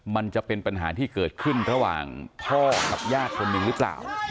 มันจะเป็นปัญหาที่เกิดขึ้นระหว่างพ่อกับญาติคนหนึ่งหรือเปล่า